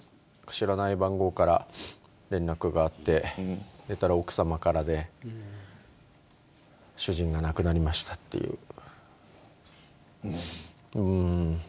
知らない番号から連絡があって出たら、奥さまからで主人が亡くなりましたっていう。